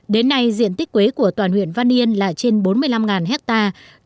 đến nay diện tích quế của toàn huyện văn yên là trên bốn mươi năm hectare